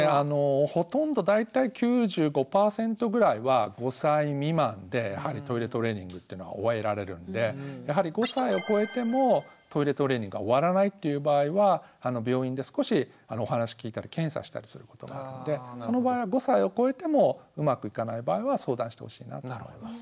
ほとんど大体９５％ぐらいは５歳未満でトイレトレーニングっていうのは終えられるんでやはり５歳をこえてもトイレトレーニングが終わらないという場合は病院で少しお話聞いたり検査したりすることがあるんでその場合は５歳をこえてもうまくいかない場合は相談してほしいなと思います。